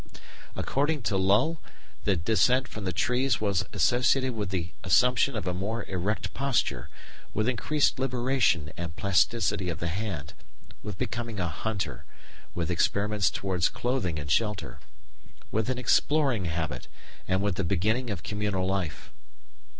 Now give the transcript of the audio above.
According to Lull, the descent from the trees was associated with the assumption of a more erect posture, with increased liberation and plasticity of the hand, with becoming a hunter, with experiments towards clothing and shelter, with an exploring habit, and with the beginning of communal life.